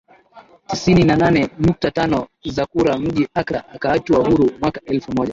tisini na nane nukta tano za kura mjini Accra akaachwa huru Mwaka elfu moja